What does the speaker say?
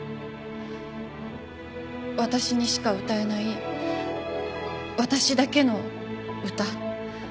私にしか歌えない私だけの歌。